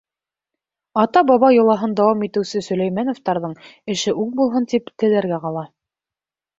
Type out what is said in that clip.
Ата-баба йолаһын дауам итеүсе Сөләймәновтарҙың эше уң булһын, тип теләргә ҡала.